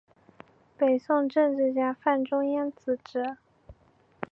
北宋政治家范仲淹子侄。